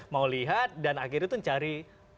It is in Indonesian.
mau lihat dan akhirnya itu mencari